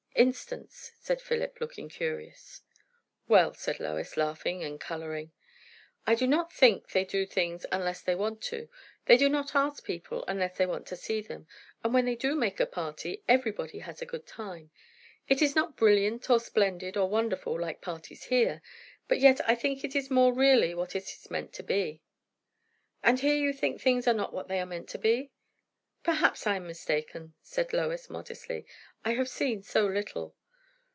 "Instance!" said Philip, looking curious. "Well," said Lois, laughing and colouring, "I do not think they do things unless they want to. They do not ask people unless they want to see them; and when they do make a party, everybody has a good time. It is not brilliant, or splendid, or wonderful, like parties here; but yet I think it is more really what it is meant to be." "And here you think things are not what they are meant to be?" "Perhaps I am mistaken," said Lois modestly. "I have seen so little."